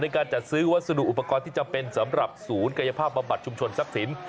การจัดซื้อวัสดุอุปกรณ์ที่จำเป็นสำหรับศูนย์กายภาพบำบัดชุมชนทรัพย์สิน